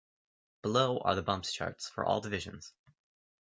Below are the bumps charts for all divisions.